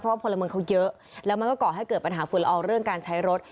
เพราะพลเมืองเขาเยอะแล้วมันก็ก่อให้เกิดปัญหาฝุ่นละอองเรื่องการใช้รถ